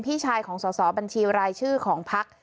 พี่ชายของสอสอบัญชีรายชื่อของพัก